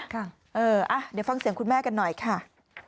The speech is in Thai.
เดี๋ยวฟังเสียงคุณแม่กันหน่อยค่ะ